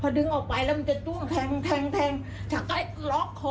พอดึงออกไปแล้วมันจะจุ้งแทงแทงแทงจากก็ล็อกคอ